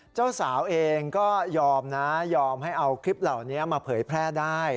เจ้าสาวเองก็ยอมนะยอมให้เอาคลิปเหล่านี้มาเผยแพร่ได้